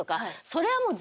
それはもう。